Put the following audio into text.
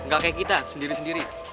gak kayak kita sendiri sendiri